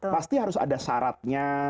pasti harus ada syaratnya